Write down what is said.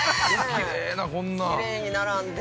◆きれいに並んで。